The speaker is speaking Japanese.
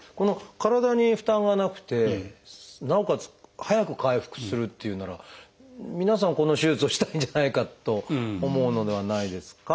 体に負担はなくてなおかつ早く回復するっていうなら皆さんこの手術をしたいんじゃないかと思うのではないですか？